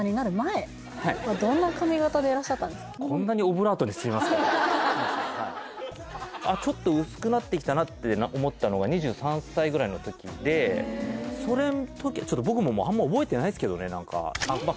ドーピングよそうなんや元々そのまああっちょっと薄くなってきたなって思ったのが２３歳ぐらいの時でそれの時ちょっと僕もあんま覚えてないですけどね何かあっまあ